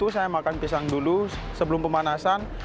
saya makan pisang dulu sebelum pemanasan